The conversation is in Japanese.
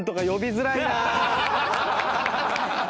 呼びづらい。